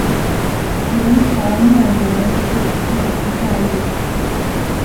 元朝末年是富阳教谕。